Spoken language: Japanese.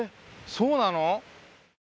そうなの！？